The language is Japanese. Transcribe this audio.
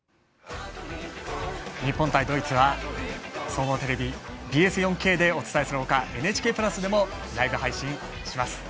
日本対ドイツは総合テレビＢＳ４Ｋでお伝えするほかＮＨＫプラスでもライブ配信します。